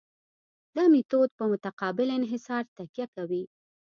دا میتود په متقابل انحصار تکیه کوي